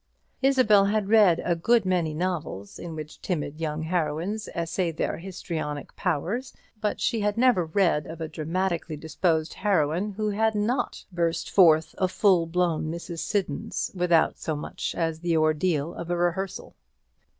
Isabel had read a good many novels in which timid young heroines essay their histrionic powers, but she had never read of a dramatically disposed heroine who had not burst forth a full blown Mrs. Siddons without so much as the ordeal of a rehearsal.